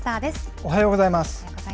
おはようございます。